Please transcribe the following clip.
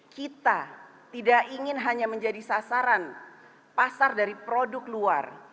kita tidak ingin hanya menjadi sasaran pasar dari produk luar